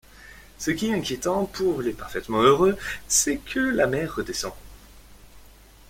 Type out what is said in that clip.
Ce qui est inquiétant pour les parfaitement heureux, c’est que la mer redescend.